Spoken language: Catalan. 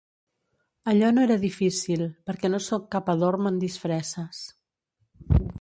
Allò no era difícil, perquè no sóc cap adorm en disfresses.